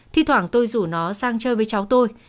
thi thoảng tôi rủ nó sang chơi với cháu tôi